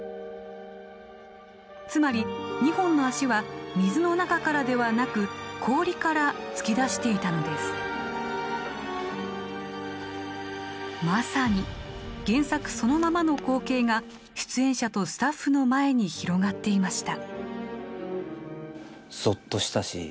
つまり２本の脚は水の中からではなく氷から突き出していたのですまさに原作そのままの光景が出演者とスタッフの前に広がっていました